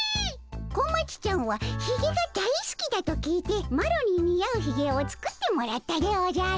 小町ちゃんはひげが大すきだと聞いてマロに似合うひげを作ってもらったでおじゃる。